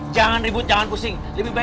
jangan ribut jangan pusing